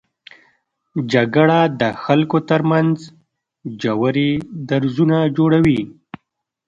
جګړه د خلکو تر منځ ژورې درزونه جوړوي